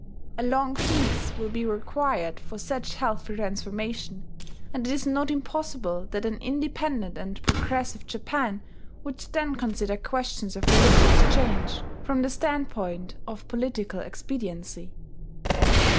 A long peace will be required for such healthy transformation; and it is not impossible that an independent and progressive Japan would then consider questions of religious change from the standpoint of political expediency.